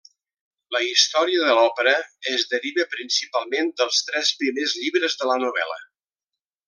La història de l'òpera es deriva principalment dels tres primers llibres de la novel·la.